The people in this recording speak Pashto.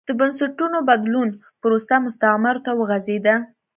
د بنسټونو بدلون پروسه مستعمرو ته وغځېده.